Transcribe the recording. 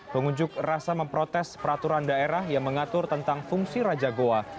pengunjuk rasa memprotes peraturan daerah yang mengatur tentang fungsi raja goa